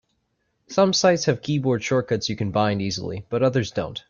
Some sites have keyboard shortcuts you can bind easily, but others don't.